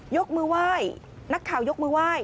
ยกมือไหว้นักข่าวยกมือไหว้